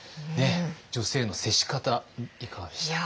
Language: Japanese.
女性への接し方いかがでしたか？